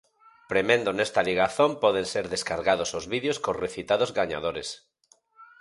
Premendo nesta ligazón poden ser descargados os vídeos cos recitados gañadores.